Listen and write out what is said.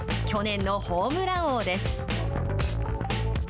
去年のホームラン王です。